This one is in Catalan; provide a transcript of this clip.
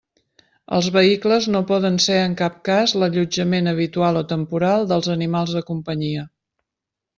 Els vehicles no poden ser en cap cas l'allotjament habitual o temporal dels animals de companyia.